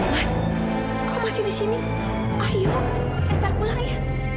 mas kamu masih di sini ayo saya cari pulang ya